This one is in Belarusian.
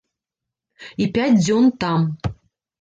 І пяць дзён там.